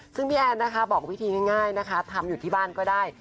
ซึ่งพี่แอนนะคะบอกวิธีง่ายนะคะทำอยู่ที่บ้านก็ได้